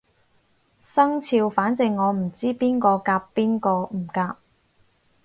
生肖反正我唔知邊個夾邊個唔夾